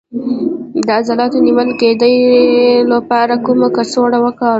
د عضلاتو د نیول کیدو لپاره کومه کڅوړه وکاروم؟